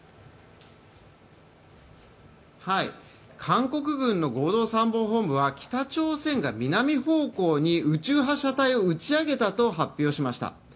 韓国軍の合同参謀本部は北朝鮮が南方向に宇宙発射体を打ち上げたと発表しました。